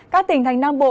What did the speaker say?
các tỉnh thành nam bộ